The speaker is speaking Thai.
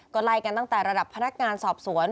ก็ไล่กันตั้งแต่ระดับพนักงานสอบสวน